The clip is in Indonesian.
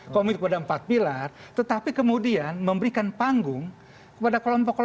saat pelet para warga